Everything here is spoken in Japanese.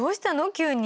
急に。